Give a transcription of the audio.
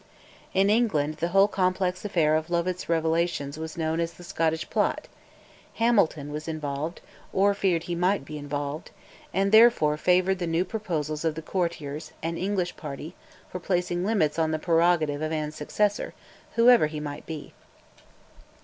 In England the whole complex affair of Lovat's revelations was known as "The Scottish Plot"; Hamilton was involved, or feared he might be involved, and therefore favoured the new proposals of the Courtiers and English party for placing limits on the prerogative of Anne's successor, whoever he might be.